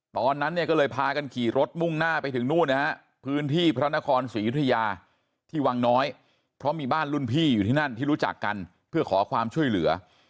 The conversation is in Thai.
ตอนนั้นเนี่ยก็เลยพากันขี่รถมุ่งหน้าไปถึงนู่นนะฮะพื้นที่พระนครศรียุธยาที่วังน้อยเพราะมีบ้านรุ่นพี่อยู่ที่นั่นที่รู้จักกันเพื่อขอความช่วยเหลือ